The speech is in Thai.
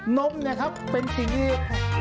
นมเนี่ยครับเป็นสิ่งหึง